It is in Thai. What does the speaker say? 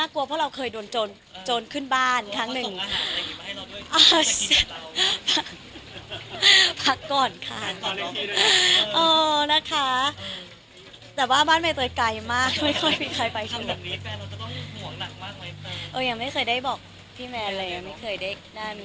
แต่ว่าของเรายังไม่ถึงขั้นนั้น